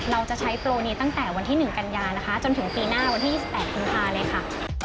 เราจะใช้โปรนี้ตั้งแต่วันที่๑กันยานะคะจนถึงปีหน้าวันที่๒๘กุมภาเลยค่ะ